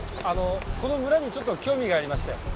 あのこの村にちょっと興味がありまして。